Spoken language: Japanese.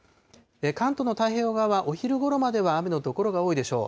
関東の太平洋側、お昼ごろまでは雨の所が多いでしょう。